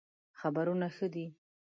خبرونه ښه دئ